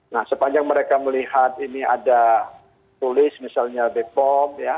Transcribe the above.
nah sepanjang mereka melihat ini ada tulis misalnya bepom ya